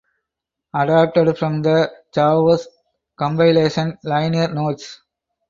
Adapted from the "Chaos Compilation" liner notes.